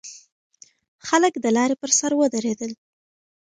خلک د لارې پر سر ودرېدل.